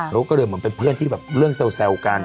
เราก็เลยเหมือนเป็นเพื่อนที่แบบเรื่องแซวกัน